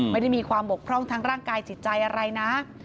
ไม่ได้มีความบกพร่องทางร่างกายจิตใจอะไรนะ